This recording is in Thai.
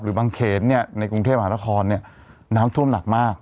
หรือบางเขตเนี้ยในกรุงเทพฯหาละครเนี้ยน้ำท่วมหนักมาก